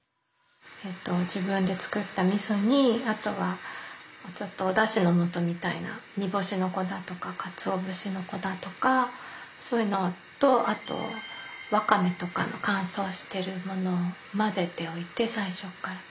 えっと自分で作ったみそにあとはちょっとおだしの素みたいな煮干しの粉とかかつお節の粉だとかそういうのとあとわかめとかの乾燥してるものを混ぜておいて最初から。